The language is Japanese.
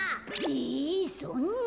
えそんな。